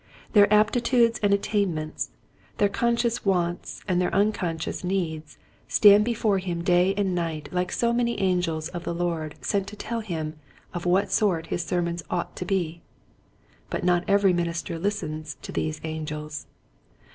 Their aptitudes and attainments, their 104 Qtiiet Hints to Growing Preachers, conscious wants and their unconscious needs stand before him day and night like so many angels of the Lord sent to tell him of what sort his sermons ought to be. But not every minister listens to these angels.